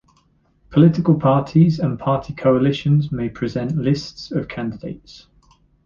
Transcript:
Political parties and party coalitions may present lists of candidates.